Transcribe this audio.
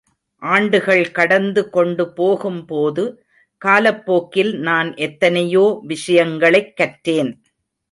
ஆண்டுகள் கடந்து கொண்டு போகும்போது, காலப்போக்கில் நான் எத்தனையோ விஷயங்களைக் கற்றேன்.